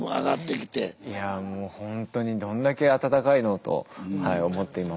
いやぁもうほんとにどんだけ温かいのと思って今も。